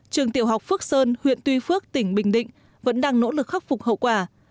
trường tiểu học phước sơn huyện tuy phước tỉnh bình định vẫn đang nỗ lực khắc phục hậu quả